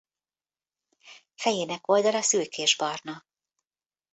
Fejének oldala szürkésbarna.